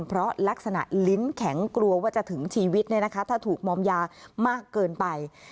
เพราะลักษณะลิ้นแข็งกลัวว่าจะถึงชีวิตถ้าถูกมอมยามากเกินไป